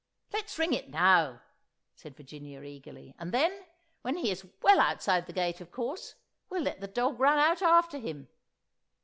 "Let's ring it now," said Virginia eagerly, "and then, when he is well outside the gate, of course, we'll let the dog run out after him."